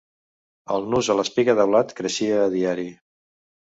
El nus a l'espiga de blat creixia a diari.